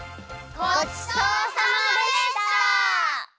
ごちそうさまでした！